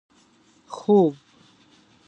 خوب